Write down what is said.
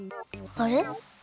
あれ？